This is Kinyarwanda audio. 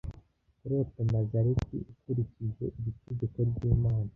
kurota nazareti ukurikije iri tegeko ry'imana